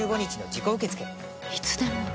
いつでも？